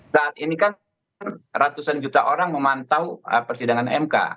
saat ini kan ratusan juta orang memantau persidangan mk